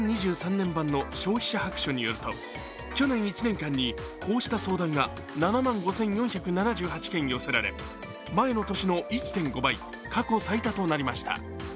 年版の消費者白書によると去年１年間にこうした相談が７万５４７８件寄せられ、前の年の１．５倍、過去最多となりました。